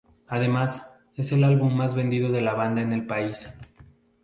Además, es el álbum más vendido de la banda en el país.